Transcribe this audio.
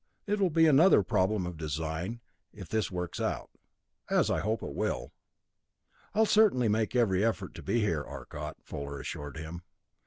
It will be another problem of design if this works out, as I hope it will." "I'll certainly make every effort to be here, Arcot," Fuller assured him.